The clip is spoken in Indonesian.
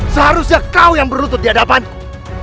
seharusnya kau yang beruntut di hadapanku